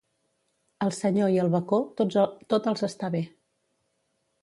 Al senyor i al bacó, tot els està bé.